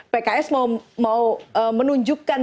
pks mau menunjukkan